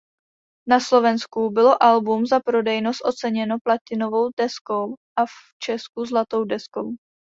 Na Slovensku bylo album za prodejnost oceněno Platinovou deskou a v Česku Zlatou deskou.